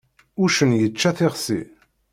Uccen yečča tixsi.